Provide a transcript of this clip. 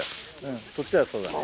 そっちそうだね。